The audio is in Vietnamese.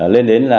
lên đến là